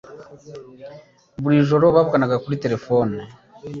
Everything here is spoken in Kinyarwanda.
Buri joro bavuganaga kuri terefone